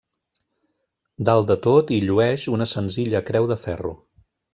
Dalt de tot hi llueix una senzilla creu de ferro.